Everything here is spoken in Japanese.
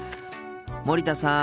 森田さん。